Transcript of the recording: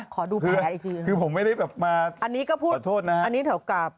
ขอดูแผลอีกทีนะคือผมไม่ได้แบบมาขอโทษนะอันนี้ก็พูดอันนี้เท่ากับ